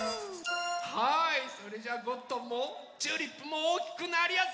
はいそれじゃゴットンもチューリップもおおきくなりやすよ！